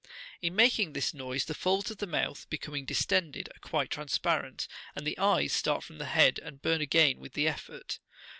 In making this noise, the folds of the mouth, becoming distended, are quite transparent, and the eyes start from the head and burn again with the effort.